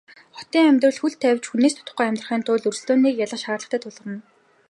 Хотын амьдралд хөл тавьж хүнээс дутахгүй амьдрахын тулд өрсөлдөөнийг ялах шаардлага тулгарна.